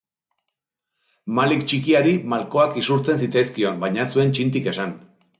Malik txikiari malkoak isurtzen zitzaizkion baina ez zuen txintik esan.